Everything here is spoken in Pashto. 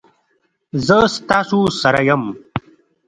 زه ستاسو سره یم